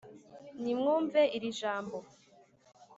Nimwumve iri jambo,